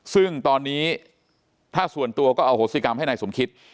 ซึ่งตอนนี้ถ้าส่วนตัวก็อโหสิกรรมให้นายสมคิต